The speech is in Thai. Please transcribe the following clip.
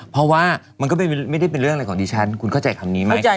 เพราะว่ามันก็ไม่ได้เป็นเรื่องอะไรของดิฉันคุณเข้าใจคำนี้ไหม